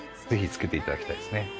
ぜひ着けていただきたいですね。